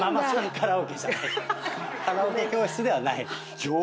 カラオケ教室ではない。